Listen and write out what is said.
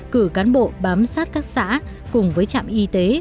cử cán bộ bám sát các xã cùng với trạm y tế